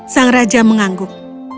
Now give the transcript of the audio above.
sang raja mengangguk